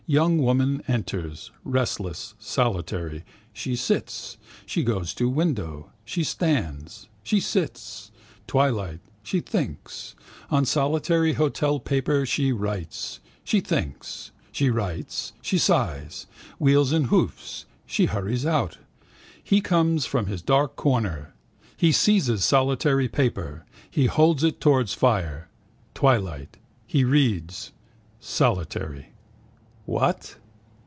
Young woman enters. Restless. Solitary. She sits. She goes to window. She stands. She sits. Twilight. She thinks. On solitary hotel paper she writes. She thinks. She writes. She sighs. Wheels and hoofs. She hurries out. He comes from his dark corner. He seizes solitary paper. He holds it towards fire. Twilight. He reads. Solitary. What?